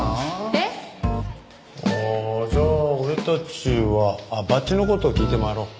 えっ？ああじゃあ俺たちはバッジの事を聞いて回ろう。